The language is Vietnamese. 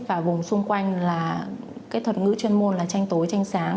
và vùng xung quanh là cái thuật ngữ chuyên môn là tranh tối tranh sáng